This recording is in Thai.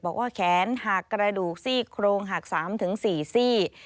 บอกว่าแขนหักกระดูกซี่โครงหัก๓๔ซี่